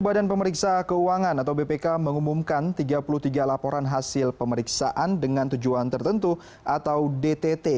badan pemeriksa keuangan atau bpk mengumumkan tiga puluh tiga laporan hasil pemeriksaan dengan tujuan tertentu atau dtt